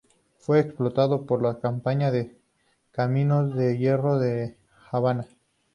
Fue explotado por la Compañía de Caminos de Hierro de La Habana.